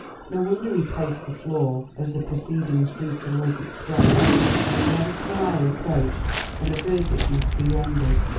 No wonder he paced the floor as the proceedings drew towards its close and the inevitable hour approached when a verdict must be rendered.